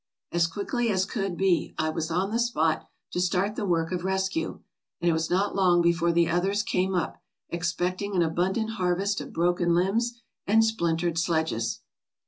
As quickly as could be I was on the spot to start the work of rescue, and it was not long before the others came up, expecting an abundant harvest of broken limbs and splintered sledges.